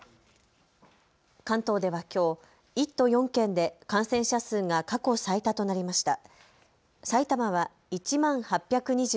関東ではきょう１都４県で感染者数が過去最多となりました。